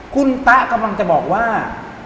คุณตะกำลังจะบอกว่า